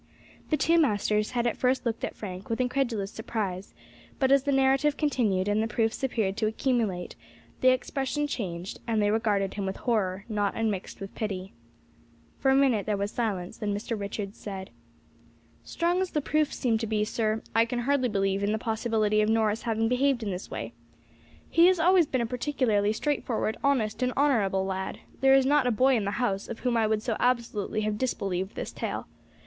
The two masters had at first looked at Frank with incredulous surprise, but as the narrative continued and the proofs appeared to accumulate, the expression changed, and they regarded him with horror, not unmixed with pity. For a minute there was silence, then Mr. Richards said: "Strong as the proofs seem to be, sir, I can hardly believe in the possibility of Norris having behaved in this way. He has always been a particularly straightforward, honest, and honourable lad; there is not a boy in the house of whom I would so absolutely have disbelieved this tale.